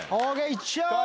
いっちゃおうよ！